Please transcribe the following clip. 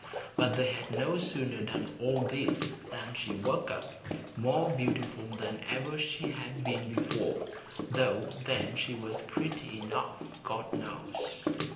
But they had no sooner done all this than she woke up, more beautiful than ever she had been before, though then she was pretty enough, God knows.